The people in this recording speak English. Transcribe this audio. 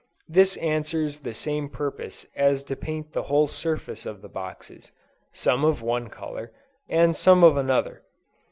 This answers the same purpose as to paint the whole surface of the boxes, some of one color, and some of another.